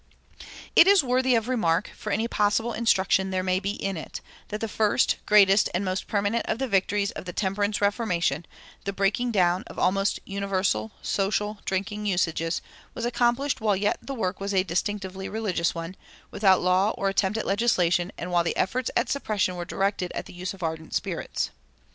"[287:1] It is worthy of remark, for any possible instruction there may be in it, that the first, greatest, and most permanent of the victories of the temperance reformation, the breaking down of almost universal social drinking usages, was accomplished while yet the work was a distinctively religious one, "without law or attempt at legislation," and while the efforts at suppression were directed at the use of ardent spirits.